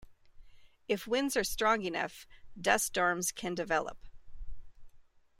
If winds are strong enough, dust storms can develop.